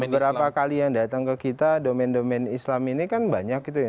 beberapa kali yang datang ke kita domen domen islam ini kan banyak gitu ya